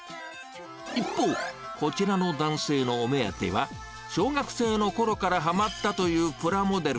一方、こちらの男性のお目当ては、小学生のころからハマったというプラモデル。